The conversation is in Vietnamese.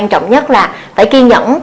rất là phải kiên nhẫn